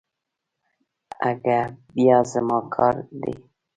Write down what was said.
اگه بيا زما کار دی.